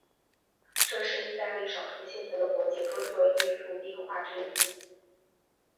这是意大利少数幸存的国际哥特式艺术壁画之一。